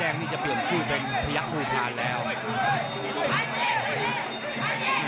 ต้องออกครับอาวุธต้องขยันด้วย